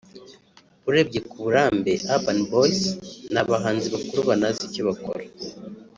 urebye ku burambe Urban Boyz ni abahanzi bakuru banazi icyo bakora